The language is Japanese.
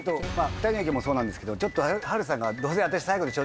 ２人の意見もそうなんですけど波瑠さんが。